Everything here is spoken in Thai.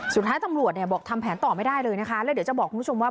สุดท้ายตำรวจทำแผนต่อไม่ได้เลยและเดี๋ยวจะบอกคุณผู้ชมว่า